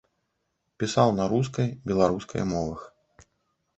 Пісаў на рускай, беларускай мовах.